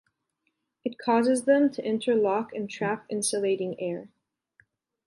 It causes them to interlock and trap insulating air.